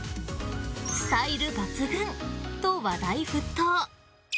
スタイル抜群！と話題沸騰。